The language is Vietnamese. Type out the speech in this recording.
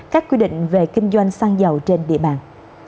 các quy định về kinh doanh xăng dầu trên địa bàn